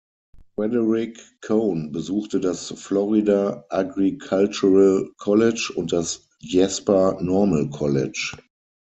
Frederick Cone besuchte das Florida Agricultural College und das Jasper Normal College.